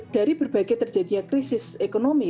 dari berbagai terjadinya krisis ekonomi